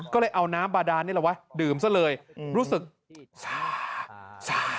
ก็เลยเอาน้ำบาดานนี่แหละไว้ดื่มซะเลยรู้สึกช้า